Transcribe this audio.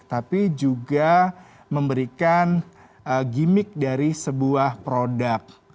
tapi juga memberikan gimmick dari sebuah produk